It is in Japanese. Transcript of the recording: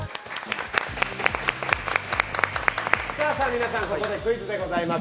皆さんここでクイズでございます。